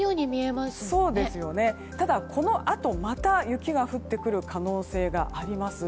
ただ、このあとまた雪が降ってくる可能性があります。